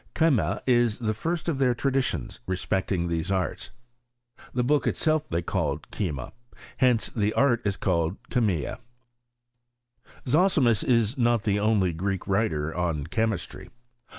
Chema is the first of their traditions respecting these arts. The book itself they called Chema ; hence the art is called Chstnia,*' Zosimus is not the only Greek writer on Chemistry.